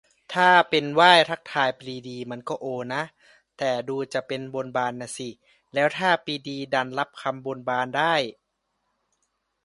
ถ้าเป็นไหว้ทักทายปรีดีมันก็โอนะ แต่ดูจะเป็นบนบานน่ะสิ แล้วถ้าปรีดีดันรับคำบนบานได้